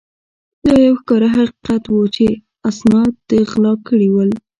دا یو ښکاره حقیقت وو چې اسناد ده غلا کړي ول.